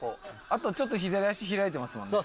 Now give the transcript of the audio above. あとちょっと左足開いてますもんね。